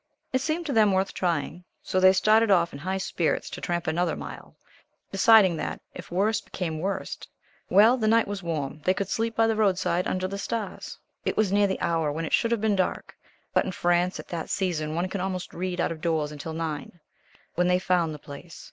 It seemed to them worth trying, so they started off in high spirits to tramp another mile, deciding that, if worse became worst well the night was warm they could sleep by the roadside under the stars. It was near the hour when it should have been dark but in France at that season one can almost read out of doors until nine when they found the place.